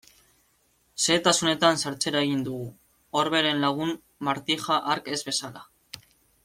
Xehetasunetan sartzera egin dugu, Orberen lagun Martija hark ez bezala.